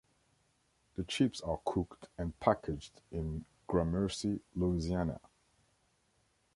The chips are cooked and packaged in Gramercy, Louisiana.